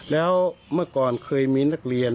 แล้วเมื่อก่อนเคยมีนักเรียน